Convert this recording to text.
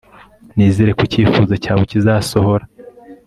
nizere ko icyifuzo cyawe kizasohora